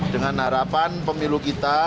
dengan harapan pemilu kita